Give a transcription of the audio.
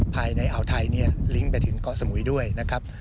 ภายในอาวไทยลิ้งก์ไปถึงเกาะสมุยด้วยนะครับ